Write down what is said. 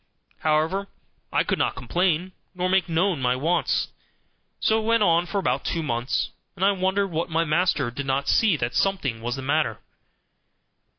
However, I could not complain, nor make known my wants. So it went on for about two months; and I wondered that my master did not see that something was the matter.